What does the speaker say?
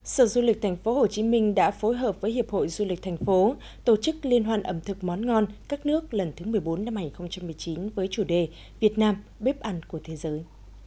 sở du lịch thành phố hồ chí minh đã phối hợp với hiệp hội du lịch thành phố tổ chức liên hoan ẩm thực món ngon các nước lần thứ một mươi bốn năm hai nghìn một mươi chín với chủ đề việt nam bếp ăn của thế giới